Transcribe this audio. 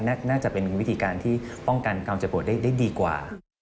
น่าจะเป็นวิธีการที่ป้องกันความเจ็บปวดได้ดีกว่า